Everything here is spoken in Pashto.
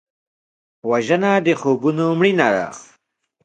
وژنه د خوبونو مړینه ده